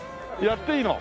やっていいの？